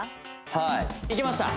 はいできました！